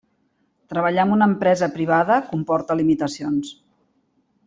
Treballar amb una empresa privada comporta limitacions.